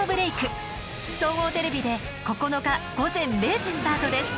総合テレビで９日午前０時スタートです。